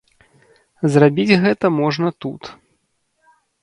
Зрабіць гэта можна тут.